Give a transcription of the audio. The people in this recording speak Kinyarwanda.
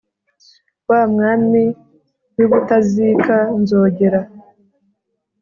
wa mwami w’i butazika, nzogera